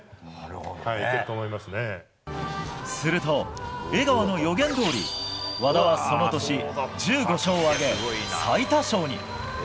すると江川の予言どおり和田は、その年１５勝を挙げ最多勝に！